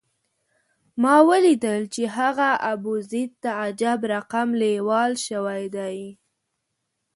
ما ولیدل چې هغه ابوزید ته عجب رقم لېوال شوی دی.